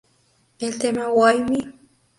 El tema "Why Me?